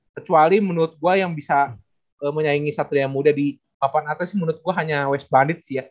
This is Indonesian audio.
kecuali menurut gue yang bisa menyaingi satria muda di papan atas menurut gue hanya west bandit sih ya